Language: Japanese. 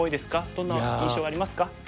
どんな印象がありますか？